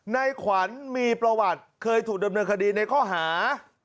ในขวัญมีประวัติเคยถูกดำเนินคดีในข้อหา